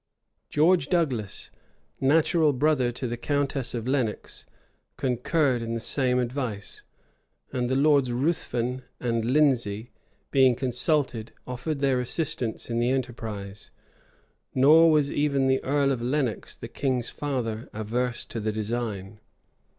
George Douglas, natural brother to the countess of Lenox, concurred in the same advice; and the Lords Ruthven and Lindesey, being consulted, offered their assistance in the enterprise; nor was even the earl of Lenox, the king's father, averse to the design.